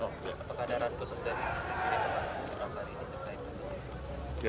apa keadaan khusus dari presiden ramadhan ini terkait khususnya